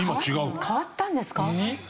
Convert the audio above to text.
変わったんですか？